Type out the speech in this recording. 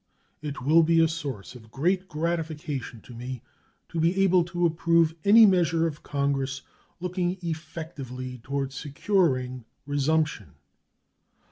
It will be a source of great gratification to me to be able to approve any measure of Congress looking effectively toward securing "resumption."